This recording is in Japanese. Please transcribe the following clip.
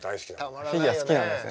フィギュア好きなんですね。